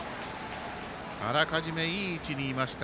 あらかじめ、いい位置にいました。